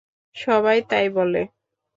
সবাই তাই বলে।